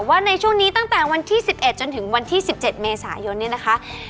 ว่าในช่วงนี้ตั้งแต่วันที่๑๑จนถึงวันที่๑๗เมษายนเนี่ยนะคะ